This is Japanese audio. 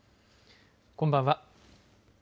こんばんは。